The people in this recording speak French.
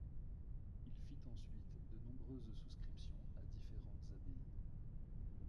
Il fit ensuite de nombreuses souscriptions à différentes abbayes.